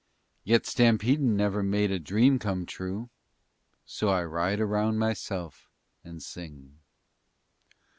Yet stampedin' never made a dream come true, So I ride around myself and sing.